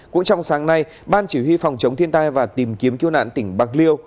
cũng trong sáng nay ban chỉ huy phòng chống thiên tai và tìm kiếm cứu nạn tỉnh bạc liêu